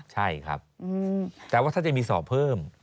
ใช่ครับแต่ว่าถ้าจะมีสอบเพิ่ม